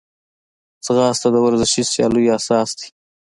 ځغاسته د ورزشي سیالیو اساس ده